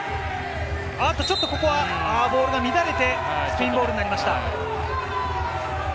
ちょっとここはボールが乱れてスペインボールになりました。